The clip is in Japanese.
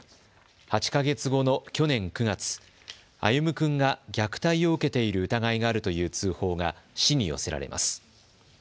８か月後の去年９月、歩夢君が虐待を受けている疑いがあるという通報が市に寄せられます。